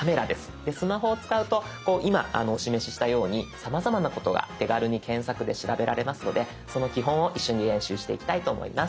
スマホを使うと今お示ししたようにさまざまなことが手軽に検索で調べられますのでその基本を一緒に練習していきたいと思います。